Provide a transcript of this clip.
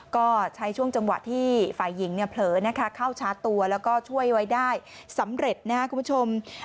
ก็ใช้ช่วงจังหวะที่ฝ่ายหญิงเนี่ยเผลอนะคะเข้าชาร์จตัวแล้วก็ช่วยไว้ได้สำเร็จนะครับคุณผู้ชม